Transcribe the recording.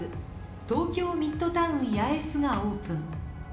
東京ミッドタウン八重洲がオープン。